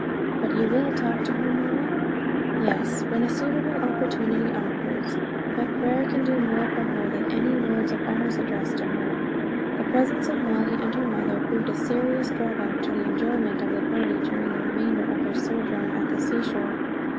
"But you will talk to her, mamma?" "Yes, when a suitable opportunity offers; but prayer can do more for her than any words of ours, addressed to her." The presence of Molly and her mother proved a serious drawback to the enjoyment of our party during the remainder of their sojourn at the seashore.